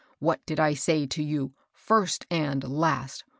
What did I say to you, first and last